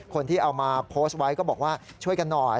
คนที่เอามาโพสต์ไว้ก็บอกว่าช่วยกันหน่อย